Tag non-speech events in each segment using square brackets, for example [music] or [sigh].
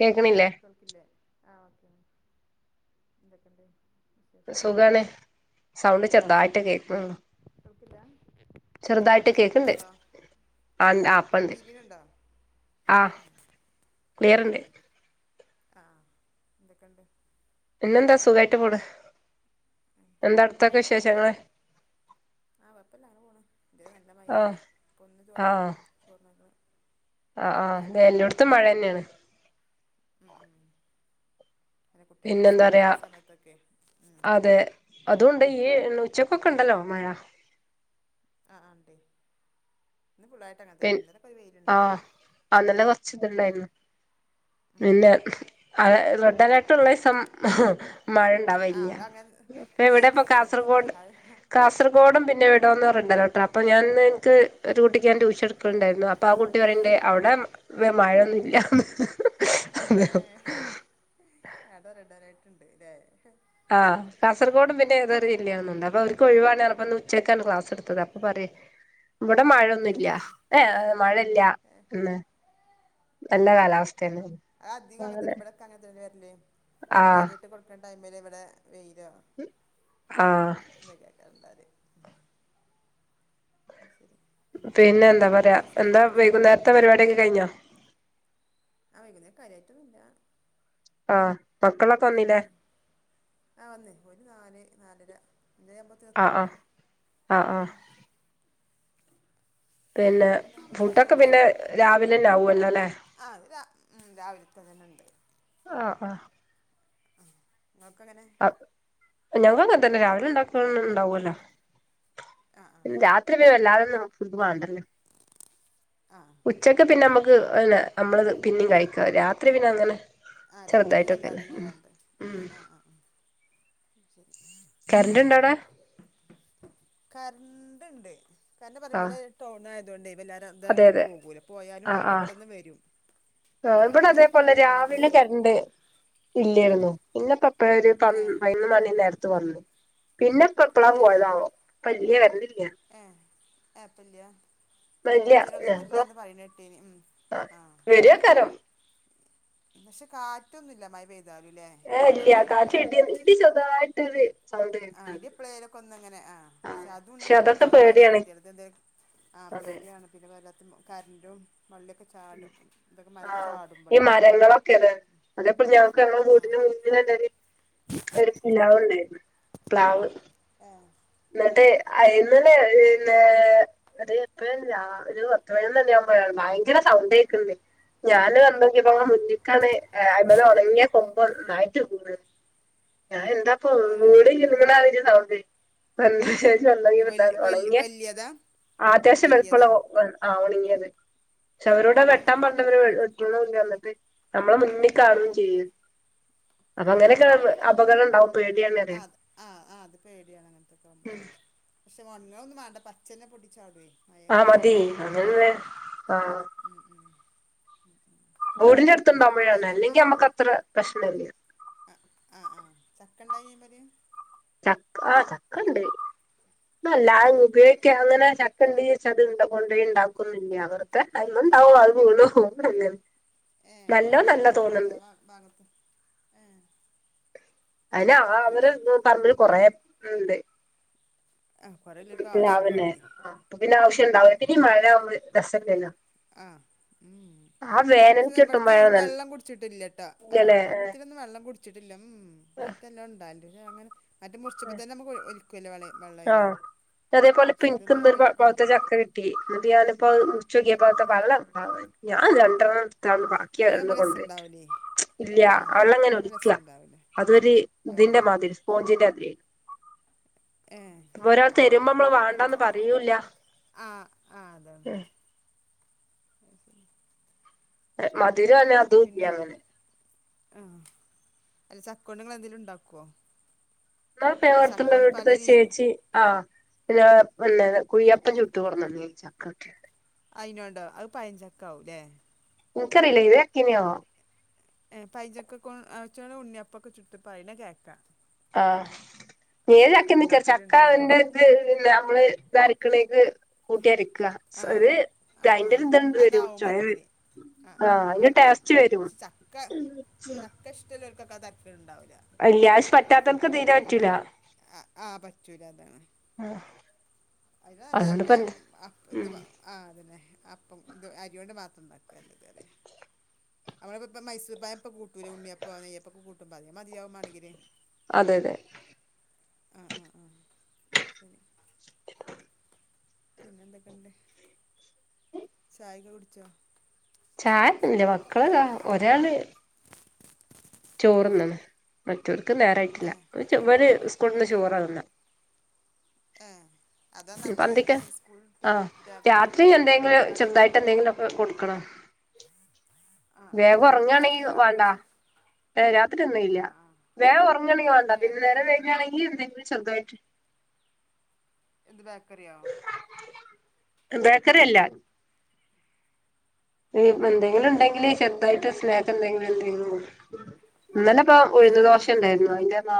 കേക്കണില്ലേ കളിക്കില്ലേ ആ ഓക്കെ മാ എന്തൊക്കെണ്ട് സുഖാണ് സൗണ്ട് ഉം. ചെറുതായിട്ട് കേക്കുന്നുള്ളു കേൾക്കില്ല ചെറുതായിട്ട് കേക്കണ്ട് ഇപ്പളോ ആ അപ്പണ്ട് തിരിയുന്നുണ്ടോ ആഹ് ആ ക്ലിയർണ്ട് ആഹ് എന്തൊക്കെണ്ട് പിന്നെന്താ സുഖായിട്ട് പോണ് എന്താ അടുത്തൊക്കെ പായ കുടിച്ചോ വിശേഷങ്ങള് ആ കുഴപ്പല്ലാ ങ്ങനെ പോണ് തരെ നല്ല ആ മഴേനി ഇപ്പ ഒന്ന് ചോ ആ ചോർന്നല്ല ആ ആഹ് അതെ എല്ലോടുത്തും മഴ തന്നെയാണ് ഉം ഉം അങ്ങനെ കുട്ടികൾക്കൊക്കെ പിന്നെന്താ സ്കൂൾ പറയാ പോകുന്ന സമയത്തൊക്കെ ഉം അതെ അതുകൊണ്ട് ഈ ഉച്ചക്കൊക്കെ ഉണ്ടല്ലോ മഴ ആഹ് ണ്ട് പി ആ അന്ന ന്തെ കൊറച്ച് ഇത്ണ്ടായിരുന്നു ഉം ഉം പിന്നെ ഉം ഉം. റെഡ് അല ട്ടുള്ള സം മഴ ആ ഉണ്ടാവേല്ല്യ അത് അങ്ങനെ അപ്പൊ ഇവിടെ നേരെ ഇപ്പ തിരിച്ചാ ഉണ്ടാവല് കാസർഗോഡ് ഹായ് കാസർഗോഡും പിന്നെ റെഡ് അലർട്ട് അപ്പ ഞാ എനിക്ക് ഒരു കുട്ടിക്ക് എൻ്റെ ടുക്കളുണ്ടായിരുന്നു അപ്പൊ ആ കുട്ടി പറീണ്ട് അവിടെ വ മഴൊന്നുല്ലാന്ന് ഏ അതാ റെഡ് അലർട്ട് ണ്ട് ല്ലെ ആഹ് കാസർകോടും പിന്നെ ഏതൊരു ജില്ലയാണന്നുണ്ട് അപ്പൊ ഓൽക്ക് ഒഴിവാണ് പറഞ്ഞപ്പന്ന് ചെക്കൻ ക്ലാസ് ടുത്തത് അപ്പൊ പറ്യ ഇവിടെ ഏഹ് മഴയൊന്നുംല്ല ഏ മഴയില്ല ഏഹ് നല്ല ഏഹ് കാലാവസ്ഥയന്ന അത് അധികം അങ്ങനത്തന്നെ അങ്ങനെ ഇവിടൊക്കെ അങ്ങനത്തന്നെ വരല് റെഡ് ആഹ് അലേർട്ട് കൊടുക്കുന്ന ടൈമില് ഇവിടെ ആഹ് [unintelligible] അത് ശരി പിന്നെ എന്താ പറയാ ചായ എന്താ കുടിച്ചോ വൈകുന്നേരത്തെ പരിപാടിയൊക്കെ കഴിഞ്ഞോ ആ വൈകുന്നേരം കാര്യമായിട്ടൊന്നുമില്ല ആഹ് മക്കളൊക്കെ വന്നില്ലേ ആ വന്നേ ഓല് നാല് നാലര അഞ്ചരയാകുമ്പോഴത്തേന് ആ എത്തും ആ ആഹ് ആ പിന്നെന്താ ചായക്കെ ഫുഡൊക്കെ കുടിച്ചോ പിന്നെ രാവിലെന്നെ ആവുല്ലോ ല്ലേ ആ അത് ഉം രാവിലത്തെ തന്നെ ണ്ട് വാ ങ്ങക്ക് ങ്ങനെ ഞങ്ങളിങ്ങനെത്തന്നെ രാവിലെ ഉണ്ടാക്കണതെന്നെ ഉണ്ടാവല്ലോ ആ ആ ആ രാത്രി പിന്നെ ശരി വല്ലാതെന്നും ഫുഡ്‌ മാണ്ടല്ലോ ആ ഉച്ചക്ക് പിന്നെ അമ്മക്ക് രാത്രി [unintelligible] ളത് പിന്നിം കഴിക്ക രാത്രി പിന്നെ അങ്ങനെ ആ രാത്രി ചെറുതായിട്ടൊക്കെല്ലേ വല്ലാതൊന്നും ഉം വേണ്ട ഉം ആഹ ആഹ് ശരി കറന്റ് ഉണ്ടോ അവിടെ കർണ്ട് ണ്ട് കാരണം പറയും ആഹ് ഇവിടെ ടൗണ തൊണ്ടേ എല്ലാരും അത് അതെ അങ്ങനെ അതെ പോകൂല പോയാലും ആഹ് ആഹ് പെട്ടെന്ന് വരും മയ മഴയാലും ണ്ട് ഇല്ലായിരുന്നു പിന്നെ പ്പ ഇപ്പൊ ഒരു പന്ന് ഏഹ് പയ്ന്ന് മണി നേരത്തി ത്തു വന്നു പ്പ പ്പളാ ഏഹ് പോയതാവം പ്പ ല്ല [unintelligible] [unintelligible] ആപ്പ് ല്ല്യ ഇല്ല ഞപ്പ കേട്ടീനി ഉം ആ വരൂയ്ക്കാരം പഷേ കാറ്റൊന്നും ഇല്ല മഴ പെ ഏ ഇല്ല്യ കാറ്റും ഇടി ഇടി ചേർത്തായിട്ട് വെ ആ ഇടി എപ്പഴേലൊക്കെ ഒന്ന് ങ്ങനെ ആ ക്ഷെ അതൊന്നും പക്ഷെ കൂടി അതൊക്കെ ഉണ്ടാവുമ്പോ ഭയങ്കര പേടിയാണ് കേതിയേട് ആ പേടിയാണ് പിന്നെ വ കറണ്ടും ഉ ആഹ ഈ ചാടുമ്പളേ മരങ്ങളൊക്കെ അത് അതെപ്പോ ഞങ്ങക്ക് ഞങ്ങളെ ആഹ് വീട്ടിന്റെ മുന്നിലെന്നെ ഒരു ഒരു പിലാവ് ഇണ്ടായിരുന്നു പ്ലാവ് ഏഹ് ഏഹ് ന്ന അത് എപ്പോഴ രാ ഒരു പത്ത് പയ്നൊന്ന് മണി ആവുമ്പോഴാണ് ഭയങ്കര സൗണ്ടേക്ക്ണ്ട് ഞാന് വന്നോക്കിയപ്പോ മുന്ന്ക്കാണ് അയ്മന്ന് ഒണങ്ങിയ കൊമ്പോന്നായിട്ട് വീണേ പ്പോ ഒന്നൂടി ഏഹ് കുലുങ്ങുന്നതിരി സൗ തെ [unintelligible] വല്യ [unintelligible] വല് ഒണങ്ങിയ വല്യതാ ആ അത്യാവശ്യം വലുപ്പള്ള വല്യതോ ആ ഒണങ്ങിയത് പക്ഷെ അവരോടെ അ വെട്ടാൻ ആഹ് ആഹ് പറഞ്ഞിട്ട് അവര് ആഹ് വെട്ടുണ് ഞമ്മക് ഞമ്മളെ മുന്നിൽ കാണും ചെയ്യും അപ്പൊ അങ്ങനൊക്കെ അപകടം ഉണ്ടാവും. പേടിയാണ് ആ അറിയാം ആ ആ അത് പേടിയാണ്ങ്ങനെ [unintelligible] ശോ അങ്ങനൊന്നും വേണ്ട പച്ചന്നെ പൊട്ടിചാട്വേ ആ മതി അതല്ലെ ആ ഉം ഉം [inaudible] ബോടിന്റെ ചക്ക അടുത്ത്ണ്ടാവുമ്പഴാണ് ഉണ്ടായിനോ അല്ലെങ്കി അമ്മക് അത്ര പ്രശ്നല്ല ആ ആ ആ ചക്ക ഇണ്ടായിനോ അയ്മല് ചക്ക ആ ചക്കണ്ട് ഇപ്പൊ എല്ലാരും ഏഹ് ഉപയോഗിക്കോ അങ്ങനെ ചക് ക്ക ഇണ്ട് ചാരിച്ങ്ങാണ്ട് ന്താ കൊണ്ടോയി ഇണ്ടാക്കൊന്നൂല്ല്യ. വെറുതെ അതെന്നെ ഇണ്ടാവും അത് വീണ് പോവും അങ്ങനെ ഏ അപ്പൊ നല്ലോ അവിടെ നല്ല ആർക്കും പറ്റൂല തോന്നുന്നുണ്ട് ആ ഭാഗത്തും ഏ അയ്ന് ആ അവര് പറമ്പില് കൊറെേ ഇണ്ട്. ആഹ് കൊറേ ഉള്ളോർക്ക് ആവശ്യം പ്ലാവുമ്മെ ഉണ്ടാവൂലേ പിന്നെ ആവശ്യം ഇണ്ടാവി പിന്നെ ഈ മഴ ആവുമ്പോ രസല്ലല്ലോ ആ മ് ആ വേനൽക്ക് പക്ഷെ കിട്ടുമ്പോഴാണ് ഇബ്ട്ത്തെലൊന്നും നല്ലത് വെള്ളം കുടിച്ചിട്ടില്ലട്ടോ ആഹ് ഇല്ലല്ലേ ഇബ്ട്ത്തെലൊന്നും വെള്ളം കുടിച്ചിട്ടില്ല മ് മ് മറ്റെല്ലാം ഇണ്ടാവല് ണ്ടങ്ങനെ ആ ആ വെള്ളയിന്ന് പക്ഷെ അതേപോലെപ്പിൻക്കും ഇതൊന്ന് ഇന്നൊരു ഒലിക്കണം പഴ്ത്ത ചക്ക കിട്ടി ന്നട്ട് ഞാനപ്പോത്‌ മുറി ച്ചോക്കേപ്പൊ അതൊക്കെ വെള്ളം ആകെ ഞാൻ രണ്ടെണ്ണം തിന്നു ബാക്കി വർന്ന അങ്ങനാവുമ്പോ കൊണ്ടെട്ടു. രസണ്ടാവൂലേ ഇല്ല്യ ആഹ് വെള്ളങ്ങനെ അങ്ങനാവുമ്പോ ഒലിക്ക രസണ്ടാവൂല അതൊരു ഇതിന്റെ ആഹ് മാതിരി സ്പോഞ്ചിന്റെ മാതിര്യായി ഏഹ് അപ്പൊ ഒരാള് തരുമ്പോ മ്മള് വേണ്ടന്ന് പറയൂല്ല ആഹ് ആഹ് അതാണ് [unintelligible] മ [unintelligible] മധുരോല്ല [unintelligible] പുളി അങ്ങനെ ആ അല്ല ചക്കോണ്ട്ങ്ങള് എന്തേലും ഇണ്ടാക്കോ ഞാൻ പേ [unintelligible] വീട്ടത്തെ ചേച്ചി ആ പിന്നെ പിന്നെ കുയ്യപ്പം ചുട്ട് കൊട്ന്ന ന്നീന്നു ചക്കോട്ട് അയ്നോണ്ടോ അത് പയഞ്ചക്ക ആവും ലെ ഇനക്കറിയില്ല ഏത് ചക്കെന്നാവോ ഏ പയംചക്കക്ക് [unintelligible] ഉണ്ണിയപ്പൊക്കെ ചുട്ട് പറേണ കേക്ക ആ ഏത് ചക്കെന്ന്ക്കറീല ചക്ക ത്‌ ഉണ്ടാക്കലുണ്ട്ന്നൊക്കെ ന്റെ നമ്മള് ഇതരക്ക്ണേക്ക് കൂട്ടി അര ക്ക ആഹ് ഒരു ആഹ് അയ്ന്റെ ആഹ് ഇത്‌ വരും അതാവും ചൊയ വരും മാണെങ്കില് ആഹ് ആ അതിന്റെ ആഹ് ആഹ് ടാസ്റ്റ് വരും കൊക്കെ ചക്കണ്ടാവും. അല്ലാശ പറ്റാത്തർക്ക് തീരെ പറ്റില്ല ആഹ് ആഹ് അല്ല നല്ല ഇത് ഉം ആ അതന്നെ അപ്പം ഇ അരിണ്ട് മാത്ര അതെ നമ്മളപ്പപ്പ മൈസൂർപ്പഴം ഇപ്പൊ കൂട്ടൂലേ ഉണ്ണിയപ്പ നെയ്യപ്പൊക്കെ കൂട്ടുമ്പോ അതിയാ മതിയാവുമാണെങ്കില് അതെ അതെ ആ ആ ശരി പിന്നെന്തൊക്കെണ്ട് ചായക്കൊ കുടിച്ചോ ചായഒന്നും ഇല്ല മക്കൾ ഇതാ ഒരാള് ചോർ തിന്നാണ് മറ്റെ ആൾ നേരായിട്ടില്ല ഏഹ് ഇവർ സ്കൂളിൽ നിന്ന് ചോറ തിന്ന ആഹ നിർബദ്ധി ക്ക് ആഹ് കുട്ടിയാക്കെ രാത്രി എന്തെങ്കിലും കടിയില്ല ചെറുതായിട്ട് എന്തെങ്കിലും കൊടുക്കണോ ആഹ് ആഹ് വേഗം ആഹ് ഉറങ്ങയാണെങ്കി രാത്രിക്ക് വേണ്ട ചോറുണ്ണൂല ഏ രാത്രി ഒന്നും ഇല്ല ആഹ് ആഹ് വേഗം ഉറങ്ങാണെങ്കിൽ വേണ്ട ഏഹ് പിന്നെ അത് നേരം തിന്നൂല വെയ്കയാണെങ്കിൽ എന്തെങ്കിലും ചെറുതായിട്ട് എന്ത് ബേക്കറിയോ [unintelligible] ബേക്കറി അല്ല ഏഹ് എന്തെങ്കിലും ഉണ്ടെങ്കില് ചെറതായിട്ട് സ്നാക്ക് എന്തെങ്കിലും എന്തെങ്കിലോ ഇന്നല ഇപ്പൊ ഏഹ് ഉഴന്ന് ഏഹ് ദോശ ഏഹ് ഉണ്ടായിരുന്നു അതിന്റെ അ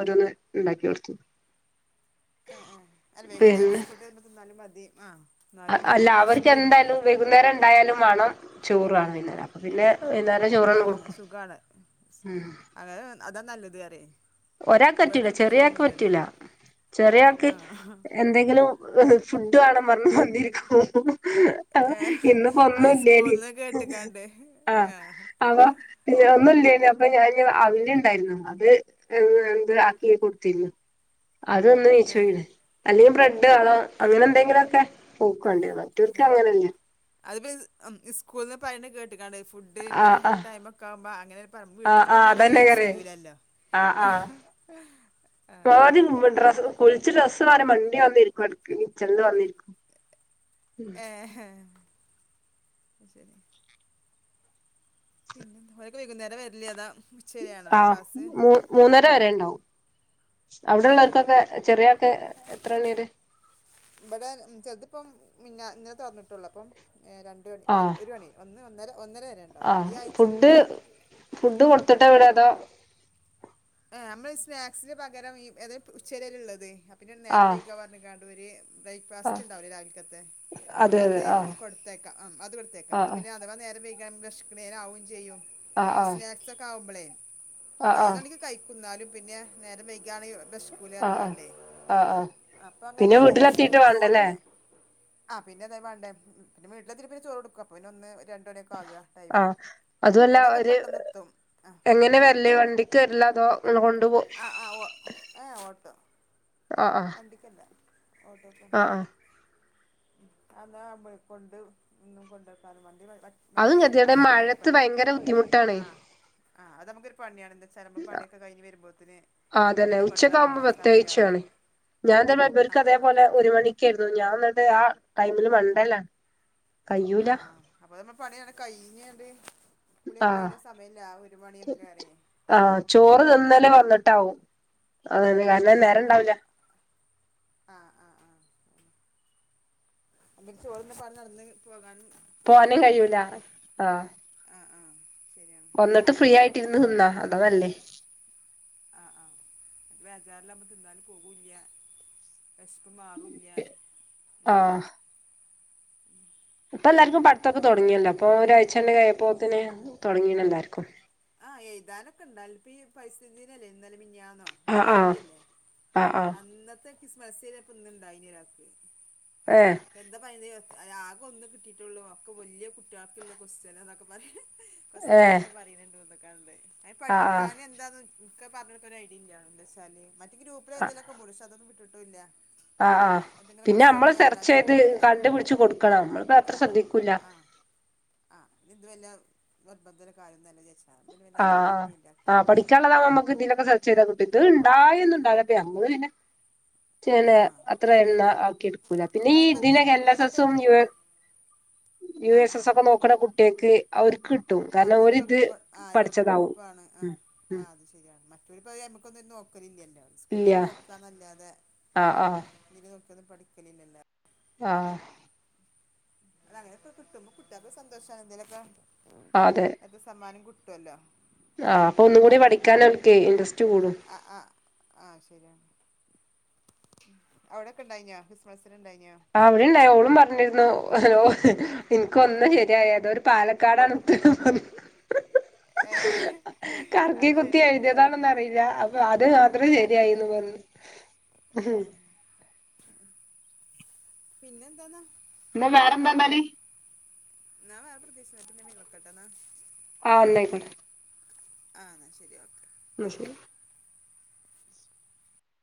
ഓരോന്ന് ഉണ്ടാക്കി കൊടുത്തു ആ അ വെയ്ക്കുന്നേരം പിന്നെ സ്കൂൾ വിട്ട് വരുമ്പോൾ തിന്നാലും മതി അ ആ അല്ല അവർക്ക് എന്തായാലും വൈകുന്നേരം ഉ ഉണ്ടായാലും വേണം ചോറാണ് പിന്ന അപ്പം പിന്നെ വൈകുന്നേരം ചോറാണ് ഏ കൊടുക്കും സുഖാണ് അങ്ങനെ അതാ നല്ലത് അതെ ഒരാൾക്ക് പറ്റൂല ചെറിയ ആൾക്ക് പറ്റൂല ചെറിയൾക്ക് ആഹ് എന്തെങ്കിലും ഫുഡ് വേണം വരണം വന്നിരിക്കും അ ഏഹ് ഇന്ന് ഇപ്പൊ അത് ഒന്നുല്ലെൻ സ്കൂൾന്ന് കേട്ട്ക്കാണ്ട് ആഹ ആഹ് അപ്പ ആഹ് ഒന്നല്ല അപ്പൊ ഞാന് അവിൽ ഉണ്ടായിരുന്നു അത് അഎന്ത് ആക്കി കൊടുത്തിന്ന് അതിന്ന് നീച്ചൊയില്ലേ അല്ലെങ്കിൽ ബ്രെഡ് വേണം ഏഹ് അങ്ങനെ എന്തെങ്കിലും ഒക്കെ ഓൾക്ക് വേണ്ടത് മറ്റൊൾക്ക് അങ്ങനല്ലേ അത് ഇപ്പൊ സ്കൂളിന്ന് പറയുന്ന കേട്ടിട്ട് കേട്ട് ക്കണ്ട് ഫുഡിന്റെ ആഹ് ആഹ് ടൈം ഒക്കെ ആകുമ്പ അങ്ങനെ പറ ആഹ് വീട്ട്ന്ന് ഇപ്പോ ആഹ് അങ്ങനെ അതന്നെ യൂസ് കറി ചെയൂലല്ലോ ആഹ് ആഹ് ആദ്യം ശരിയ ഡ്രസ് കുളിച്ച് ഡ്രസ്സ് മാറി വണ്ടി വന്നിരിക്കും വടക്കിനിയിൽ വന്നിരിക്കും ഏ ഹഹ അ ശരി [unintelligible] [unintelligible] വൈകുന്നേരം വരില്ലേ അതാ ഉച്ചവരെയാണോ ആഹ ക്ലാസ് മ മൂന്നര വരെ ഇണ്ടാവും ഏഹ് ഏഹ് അവിടെള്ളോർക്കൊക്കെ ചെറിയൊക്കെ എത്രണീ ന്നെ ത പറഞ്ഞിട്ടുള്ളൂ അപ്പം [unintelligible] രണ്ട മണി ഒ ആഹ് ഒരു മണി ഒന്ന് ഒന്നര ഒന്നര വരെ ഉണ്ടാവും ആഹ് ഈ ആഴ്ച ഫുൾ ഫുഡ് ഫുഡ് കൊടുത്തിട്ടാ വിടാ അതോ ആനമ്മള് സ്നാക്സിന് പകരം ഈ അതായ ഉച്ചരെ ഇള്ളത് പിന്നെ നേരം ആഹ് വയികാ പറഞ്ഞിക്കാണ് ഒരു ആഹ് ബ്രേക്ക്ഫാസ്റ്റ്ഇണ്ടാവില്ലേരാവിലക് ത്തെ അതെ അതെ അത് ആഹ് കൊടുത്തേക്കാം ആ അത് കൊടുത്തേക്കാം ആഹ് പിന്നെ അഥവാ നേരം വൈക വെശ്ക്ക്ണേനാവും ചെയ്യും ആഹ് മറ്റേ ആഹ് സ്നാക്സ് ഒക്കെ ആവുമ്പളെ ആഹ് ആഹ് ആഹ് പയ്നൊന്നണിക് ഇന്നാലും പിന്നെ നേരംവൈകി ഇയാള് ബസ്കൂല ആഹ് ഇറക്കാണ്ടേ ആഹ് ആഹ് അപ്പൊ അങ്ങനെ പിന്നെ മതി വീട്ടിലെത്തിട്ട് വേണ്ടല്ലേ ചോറില്ല ആ പിന്നെ അതായ വേണ്ടേ പിന്ന വീട്ടിലെതിട്ട്ചോറ് കൊടുക്കും അപ്പ പിന്നെ ഒന്ന് രണ്ട് മണിയൊക്കെ ആകുക ആ ടൈമ് അതും അല്ല ഇവിടൊക്കെ ഒരു പെട്ടെന്ന് എത്തും ആ എങ്ങനെ വെരല് വണ്ടിക്ക് വെരലാ അതോ ഇങ്ങള് കൊണ്ടു പോ ആ ആ ഉവ്വ് ഏ ഓട്ടോ ആഹ് ആഹ് വണ്ടിക്കല്ല ഓട്ടൊക്കും ആഹ് ആഹ് അതാ നമ്മള് കൊണ്ട് ഇന്നും കൊണ്ടുവക്കാന്ന് വണ്ടി അതും വണ്ടി ഗതികേടാ ഏൽപ്പിച്ചാൽ പിന്നെ മഴത്ത് എൾപണ്ട് ഭയങ്കര ബുദ്ധിമുട്ടാണേ ആഹ് ആഹ് അതൊരു പണിയാണ് ന്ത്ച്ചാ പണിയൊക്കെ കഴിഞ്ഞ് വരുമ്പോഴത്തന് ആഹ് അതന്നെ പിന്നെ ഉച്ചക്കെ കൊണ്ടരാൻ ആവുമ്പോ പോകാൻ സമയാവും പ്രത്യേകിച്ചുവാണ് ഞാൻ തന്നർക്ക് ആഹ് ആഹ് അതന്നെ അതേപോലെ ഒരു മണിക്കായിരുന്നു ഞാൻ ദേ അത് ആ ടൈമില് മൺണ്ടല ആ അപ്പൊ പണി അനക്കായി ഇനിയത് ആ കുളിയൊക്കെ കഴിയുന്ന സമയല്ലേ അറിയേ ആ ചോറ് തിന്നലേ വന്നി ട്ടാവും കാരണം നേര ഇണ്ടാവൂല ആ ആ ആ പി ചോറി പറഞ്ഞ നടന്ന് പോകാനും പോവാനേ ഗതികേടുവല്ലേ കഴിയൂല ആ ആഹ് ആഹ് ശരിയാണ് വന്നിട്ട് ഫ്രീ ആയിട്ട്‌ ഇരുന്ന് തിന്നാ അതല്ലേ ബേജാറിലപ്പം തിന്നാൻ പോകുല്യാ വെശപ്പ് മാറൂല്യാ ആഹ് ഇപ്പൊ എല്ലാർക്കും പടത്തൊക്കെ തുടങ്ങിയല്ലോ അപ്പൊ ഒരാഴ്ചണ്ട് പ്പോത്തിന് തുടങ്ങീ എല്ലാർക്കും എഴ്താനൊക്കെ ഉണ്ട അല്പ്പീ ഈ പരിസ്ഥിതിദിനല്ലേ ഇ ആഹ് ആഹ് അഞ്ചാംതിയല്ലേ ആഹ് ആഹ് അന്നത്തെ ക്സ്മസിന് അപ്പ്ന്നണ്ടാക്കിയാക്ക് ഏഹ് ന്താ [unintelligible] ആകെഒന്നേകിട്ടിട്ടുള്ളൂ ഒക്കെ വലിയ കുട്ടികൾക്കില്ല ക്വസ്റ്റ്യൻ എന്നൊക്കെ പറ ഏഹ് കൊച്ചനാൾൊക്കെ പറയുന്നുണ്ടോ ക്ക [unintelligible] അൻ ആഹ് പഠിക്കാന് എന്താന്ന് അവ ഐഡിയാല് ഗ്രൂപ്പിലെ ആഹ് എന്തേലും [unintelligible] ട്ട ഇല്ല ആഹ് ആ എന്തെങ്കിലും പിന്നെ ക്വസ്റ്റ്യൻകൾ അമ്മള് വരണ്ട സെർച്ച് അങ്ങനെ ചെയ്ത് വിട്ടിട്ടില്ല കണ്ടുപിടിച്ചു കൊടുക്കണം നമ്മൾപ്പോ അത്ര ആ ശ്രദ്ധിക്കൂല്ല- ഇതു വല്ല നിർബന്ധ കയന്നല്ലച്ച ആഹ ആ പഠിക്കാനുള്ളതാവ അമുക്ക് ഇതിലൊക്കെ സെർച്ച് ചെയ്താ കിട്ട- ഇത് ഇണ്ടായന്ന്ണ്ടാകടെ അമ്മള് പിന്നെ- നെ ആഹ് അത്ര എണ്ണ ആക്കി എടുക്കൂല പിന്നെ ഈ അത് മറ്റേ ഇതിനെ എൽ എസ് മറ്റേ എസും യ യു ആഹ് എസ് എസ് ആഹ് ഒക്കെ നോക്കുന്ന കുട്ടികക്ക് അവർക്ക് കിട്ടും കാരണം ഓരിത്- ആ പഠിച്ചതാവും എളുപ്പമാണ് ആ ഉം ആ ഉം അത് ശരിയാണ് മാ- ഇപ്പ അമുക്കൊന്നും നോക്കലില്ല- ഇല്ല സ്കൂത്ത് നോക്കന്നല്ലാതെ ആഹ് ആഹ് ന പും പഠിക്കലില്ലല്ല [unintelligible] ആഹ് അ അങ്ങനെയൊക്കെ കട്ടുമ്പോ കുട്ടികൾക്കെ സന്തോഷമാണ് എന്തങ്കലൊക്കെ- അതെ അത് സമ്മാനം കുട്ട- ഇല്ലല്ലോ - ആഹ് അപ്പൊ ഒന്ന് കൂടി പഠിക്കാനൻ ഇൻട്റസ് ആഹ ആഹ് ആഹ ശരിയ അവിടെൊക്കെ ഉണ്ടായി ഞ ക്രിസ്മസ്- അവിടെണ്ടായി ഓളും പറഞ്ഞിരുന്നു- ഒ ഹലോ- എനക്കൊന്ന് ശരിയായ അതൊ ഒരു പാലക്കാടാണ് ഏഹ് കറക്കി അത് കുത്തി ശരി എഴുതിയതാണെന്ന് അറിയില്ല അപ്പൊ അത് മാത്രം ആ ശരിയായിന്ന് പറുഞ്ഞ- പിന്നെ എന്തോന്നാ- ന്നാ വേറെന്താന്നാല് ന്നാ വേറെ പ്രത്യേയിച്ചൊന്നുല്ല [unintelligible] വക്കെട്ടന്നാ ആ ഇന്നായ്ക്കോട്ടെന്ന ആന്ന ശെരി ഓക്കെ മ് ശെരി